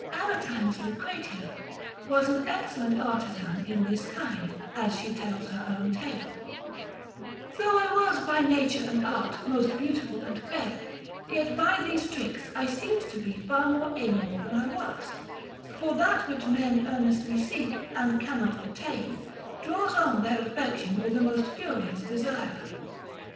Aretine's Lucretia was an excellent artisan in this kind, as she tells her own tale, Though I was by nature and art most beautiful and fair, yet by these tricks I seemed to be far more amiable than I was, for that which men earnestly seek and cannot attain, draws on their affection with a most furious desire.